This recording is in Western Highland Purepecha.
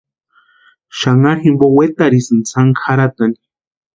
Xanharu jimpo wetarhisïnti sáni kʼarhatani.